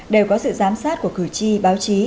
đều có sự giám sát của cử tri báo chí